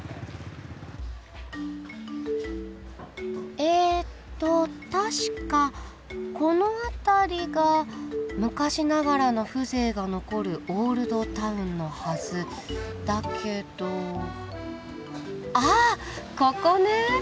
えっと確かこの辺りが昔ながらの風情が残るオールドタウンのはずだけどあっここね！